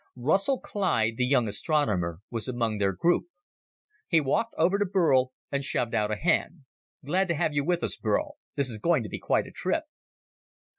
Russell Clyde, the young astronomer, was among their group. He walked over to Burl and shoved out a hand. "Glad to have you with us, Burl. This is going to be quite a trip!"